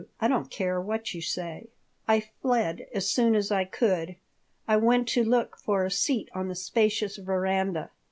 I don't care what you say." I fled as soon as I could. I went to look for a seat on the spacious veranda.